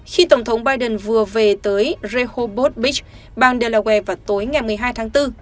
khi tổng thống biden vừa về tới rehoboth beach bang delaware vào tối ngày một mươi hai tháng bốn